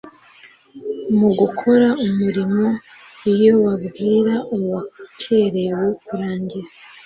mu gukora umurimo iyo babwira uwakerewe kurangiza